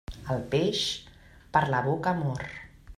El peix, per la boca mor.